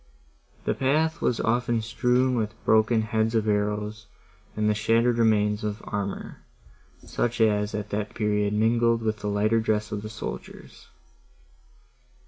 The path was often strewn with broken heads of arrows, and with shattered remains of armour, such as at that period was mingled with the lighter dress of the soldiers.